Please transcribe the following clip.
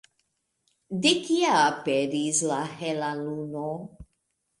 De kie aperis la hela luno?